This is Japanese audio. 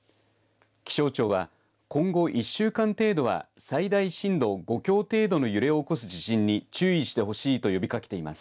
気象庁は、今後１週間程度は最大震度５強程度の揺れを起こす地震に注意してほしいと呼びかけています。